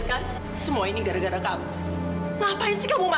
amir juga anak saya